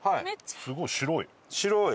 すごい白い。